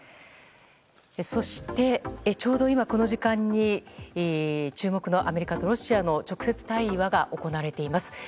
そして、ちょうど今この時間に注目のアメリカとロシアの直接対話が行われております。